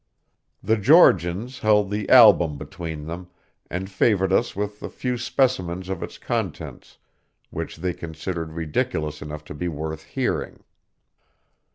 The Georgians held the album between them, and favored us with the few specimens of its contents which they considered ridiculous enough to be worth hearing.